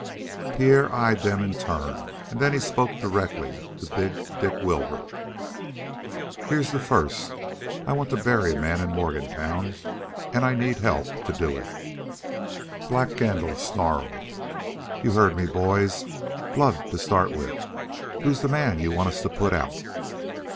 Pierre eyed them in turn, and then he spoke directly to big Dick Wilbur. "Here's the first: I want to bury a man in Morgantown and I need help to do it." Black Gandil snarled: "You heard me, boys; blood to start with. Who's the man you want us to put out?"